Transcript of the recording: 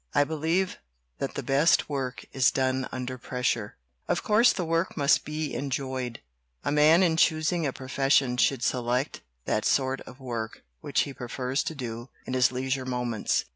I believe that the best work is done under pressure. Of course the work must be enjoyed; a man in choosing a profession should select that sort of work which he prefers to do in his leisure moments.